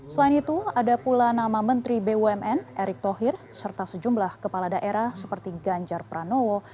selain itu ada pula nama menteri bumn erick thohir serta sejumlah kepala daerah seperti ganjar pranowo